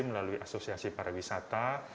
melalui asosiasi pariwisata